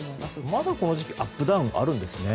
まだこの時期アップダウンがあるんですね。